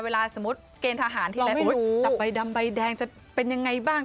เวลาสมมุติเกณฑ์ทหารที่แรกจับไปดำใบแดงจะเป็นอย่างไรบ้าง